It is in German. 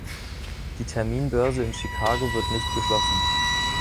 Die Terminbörse in Chicago wird nicht geschlossen.